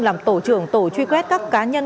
làm tổ trưởng tổ truy quét các cá nhân